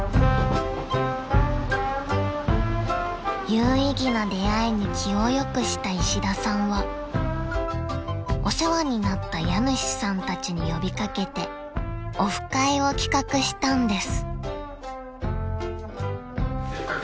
［有意義な出会いに気をよくした石田さんはお世話になった家主さんたちに呼び掛けてオフ会を企画したんです］